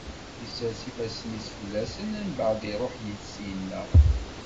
Isers ifassen-is fell-asen, mbeɛd iṛuḥ syenna.